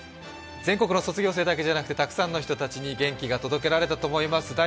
全国の卒業生だけじゃなくてたくさんの人に元気が届けられたと思います。